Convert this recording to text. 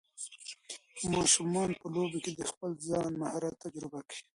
ماشومان په لوبو کې د خپل ځان مهارت تجربه کوي.